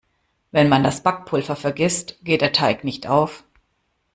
Wenn man das Backpulver vergisst, geht der Teig nicht auf.